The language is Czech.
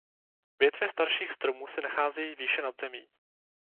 Větve starších stromů se nacházejí výše nad zemí.